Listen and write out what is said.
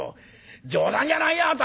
冗談じゃないよあなた！